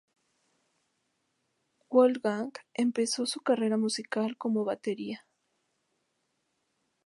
Wolfgang empezó su carrera musical como batería.